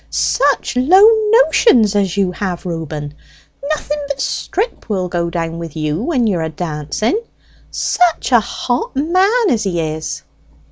"Such low notions as you have, Reuben! Nothing but strip will go down with you when you are a dancing. Such a hot man as he is!"